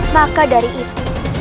maka dari itu